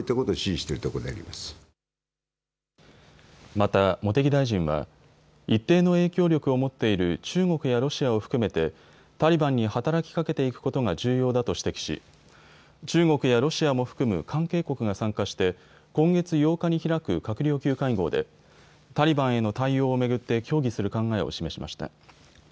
また茂木大臣は一定の影響力を持っている中国やロシアを含めてタリバンに働きかけていくことが重要だと指摘し中国やロシアも含む関係国が参加して今月８日に開く閣僚級会合でタリバンへの対応を巡って協議する考えを示しました。